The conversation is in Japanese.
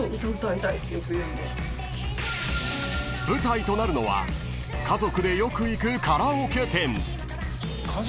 ［舞台となるのは家族でよく行くカラオケ店］